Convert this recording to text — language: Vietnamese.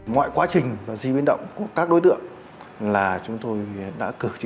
ngoại quá trình di biến động của các đối tượng là chúng tôi đã cực chính xác các mũi chất